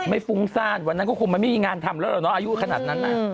ฟุ้งซ่านวันนั้นก็คงมันไม่มีงานทำแล้วเหรอเนาะอายุขนาดนั้น